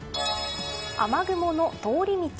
雨雲の通り道。